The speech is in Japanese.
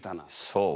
そう。